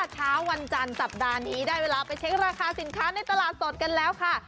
เช้าวันจันทร์สัปดาห์นี้ได้เวลาไปเช็คราคาสินค้าในตลาดสดกันแล้วค่ะ